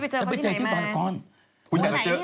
อ๋อหรอพี่ไปเจอเค้าที่ไหนมา